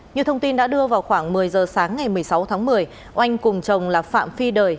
như thông tin đã đưa vào khoảng một mươi giờ sáng ngày một mươi sáu tháng một mươi oanh cùng chồng là phạm phi đời